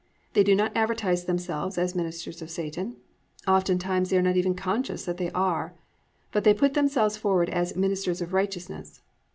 They do not advertise themselves as ministers of Satan, oftentimes they are not even conscious that they are; but they put themselves forward as "ministers of righteousness."